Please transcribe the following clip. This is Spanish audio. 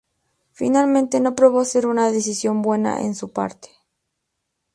Finalmente, no probó ser una decisión buena en su parte.